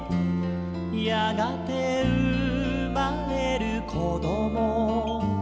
「やがてうまれるこどもたち」